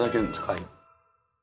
はい。